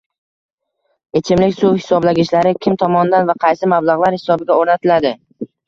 Ichimlik suv hisoblagichlari kim tomonidan va qaysi mablag‘lar hisobiga o‘rnatiladi?